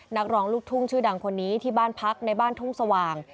นักร้องลูกทุ่งชื่อดังคนนี้ที่บ้านพักในบ้านทุ่งสว่าง